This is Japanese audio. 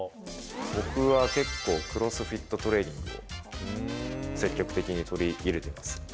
僕は結構、クロスフィットトレーニングを、積極的に取り入れてます。